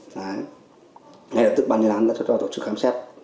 đấy ngay lập tức ban chuyên án đã cho ra tổ chức khám xét